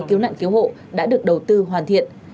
cứu nạn cứu hộ đã được đầu tư hoàn thiện